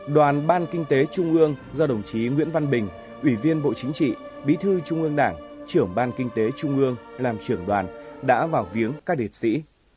đoàn ban kinh tế trung ương do đồng chí nguyễn văn bình ủy viên bộ chính trị bí thư trung ương đảng trưởng ban kinh tế trung ương làm trưởng đoàn đã vào viếng các liệt sĩ